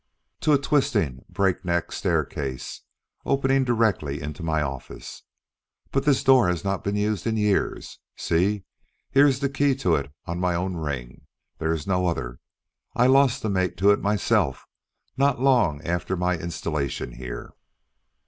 "To a twisting, breakneck staircase opening directly into my office. But this door has not been used in years. See! Here is the key to it on my own ring. There is no other. I lost the mate to it myself not long after my installation here."